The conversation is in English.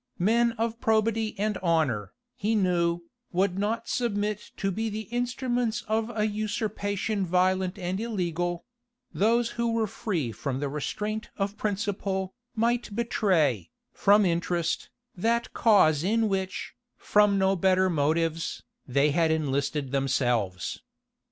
Men of probity and honor, he knew, would not submit to be the instruments of a usurpation violent and illegal: those who were free from the restraint of principle, might betray, from interest, that cause in which, from no better motives, they had enlisted themselves.